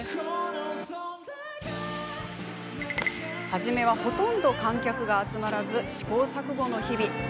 初めはほとんど観客が集まらず試行錯誤の日々。